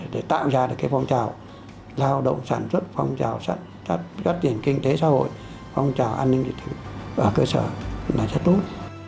để tạo ra được cái phong trào lao động sản xuất phong trào phát triển kinh tế xã hội phong trào an ninh dịch ở cơ sở là rất tốt